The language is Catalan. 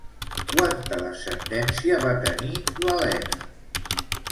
Quanta descendència va tenir l'Elena?